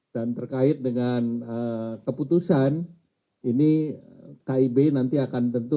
dan terkait dengan keputusan ini kib nanti akan tentu